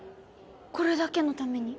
これだけのために？